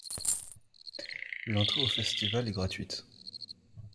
L'entrée au festival est gratuite.